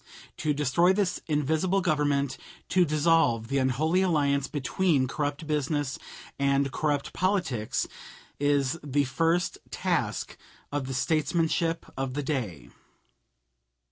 To destroy this invisible Government, to dissolve the unholy alliance between corrupt business and corrupt politics, is the first task of the statesmanship of the day.